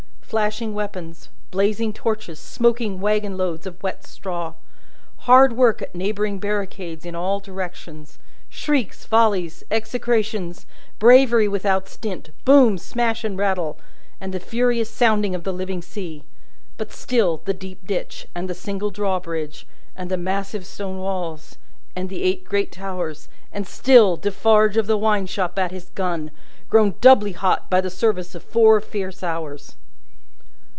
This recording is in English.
Flashing weapons, blazing torches, smoking waggonloads of wet straw, hard work at neighbouring barricades in all directions, shrieks, volleys, execrations, bravery without stint, boom smash and rattle, and the furious sounding of the living sea; but, still the deep ditch, and the single drawbridge, and the massive stone walls, and the eight great towers, and still Defarge of the wine shop at his gun, grown doubly hot by the service of Four fierce hours.